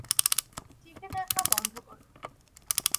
TV দেখা বন্ধ কর!